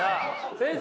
先生！